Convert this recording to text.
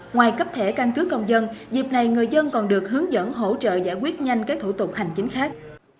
ngoài cấp thẻ căn cứ công dân dịp này người dân còn được hướng dẫn hỗ trợ giải quyết nhanh các thủ tục hành chính khác